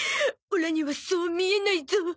オラにはそう見えないゾ。